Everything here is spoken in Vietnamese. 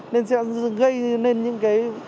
nên sẽ gây nên những cái